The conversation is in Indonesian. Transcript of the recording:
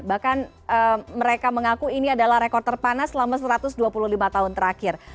bahkan mereka mengaku ini adalah rekor terpanas selama satu ratus dua puluh lima tahun terakhir